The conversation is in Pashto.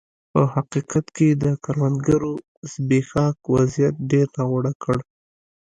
په حقیقت کې د کروندګرو زبېښاک وضعیت ډېر ناوړه کړ.